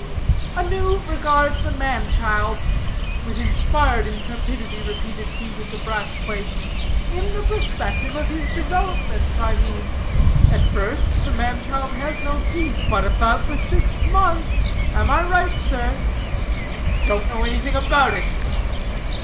"Anew regard the man child," with inspired intrepidity repeated he with the brass plate, "in the perspective of his developments, I mean. At first the man child has no teeth, but about the sixth month am I right, sir?" "Don't know anything about it."